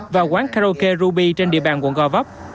và quán karaoke ruby trên địa bàn quận go vóc